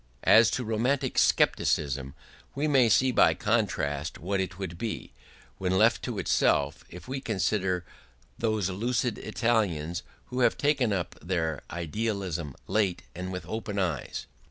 As to romantic scepticism, we may see by contrast what it would be, when left to itself, if we consider those lucid Italians who have taken up their idealism late and with open eyes.